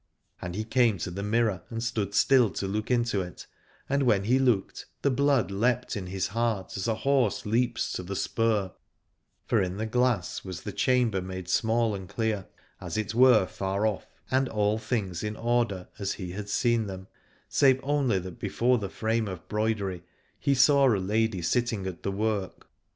And he came to the mirror and stood still to look into it, and when he looked the blood leapt in his heart as a horse leaps to the spur : for in the glass was the chamber made small and clear, as it were far off, and all things in order as he had seen them, save only that before the frame of broidery he saw a lady sitting at the work.